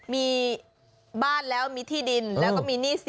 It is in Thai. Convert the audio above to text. มีบ้านแล้วมีที่ดินแล้วก็มีหนี้สิน